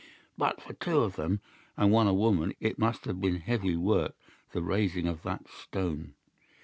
"But for two of them, and one a woman, it must have been heavy work the raising of that stone.